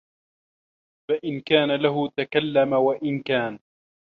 فَإِنْ كَانَ لَهُ تَكَلَّمَ وَإِنْ كَانَ